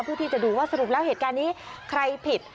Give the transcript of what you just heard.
เพื่อที่จะดูว่าสรุปแล้วเหตุการณ์นี้ใครผิด